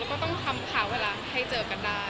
แล้วก็ต้องหาเวลาให้เจอกันได้